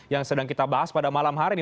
yang sedang kita bahas pada malam hari ini